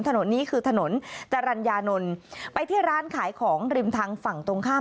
ถนนนี้คือถนนจรรยานนท์ไปที่ร้านขายของริมทางฝั่งตรงข้าม